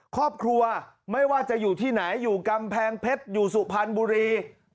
ครอบครัวไม่ว่าจะอยู่ที่ไหนอยู่กำแพงเพชรอยู่สุพรรณบุรี